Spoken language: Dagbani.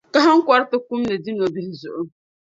kahiŋkɔri ti kumdi di dunɔbihi zuɣu.